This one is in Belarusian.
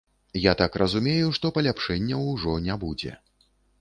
Я так разумею, што паляпшэнняў ўжо не будзе.